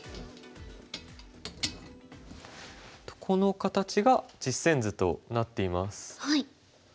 この形が実戦図となっています。